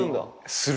する。